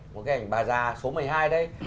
một cái ảnh bà già số một mươi hai đây